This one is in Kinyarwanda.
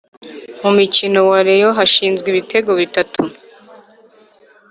Mu mukino wa reyo hatsinzwe ibitego bitatu